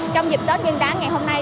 trong dịp tết nguyên đáng ngày hôm nay